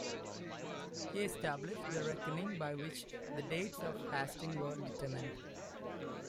He established the reckoning by which the dates of fasting were determined.